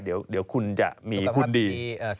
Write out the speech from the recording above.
เดี๋ยวคุณจะมีหุ้นดี